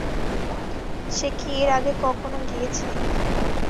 সে কি এর আগে কখনো গিয়েছে?